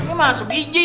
nggak masak biji